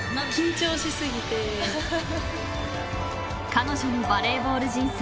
［彼女のバレーボール人生］